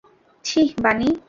ছিহ্, বানি!